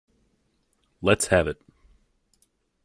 Let's have it.